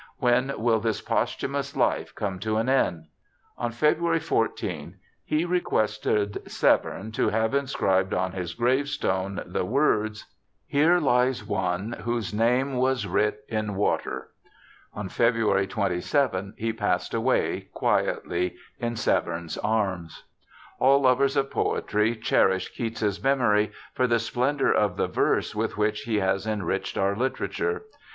' When will this posthumous life come to an end ?' On February 14 he requested Severn to have inscribed on his gravestone the words. Here lies one whose name was writ in water. On February 27 he passed away quietly in Severn's arms. All lovers of poetry cherish Keats's memory for the splendour of the verse with which he has enriched our literature.